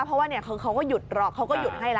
เพราะว่าเนี่ยเขาก็หยุดรอบเขาก็หยุดให้ละ